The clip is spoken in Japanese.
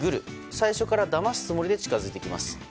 最初からだますつもりで近づいてきます。